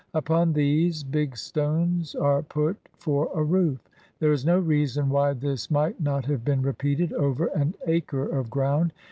Upon these, big stones are put for a roof. There is no reason why this might not have been repeated over an acre of ground.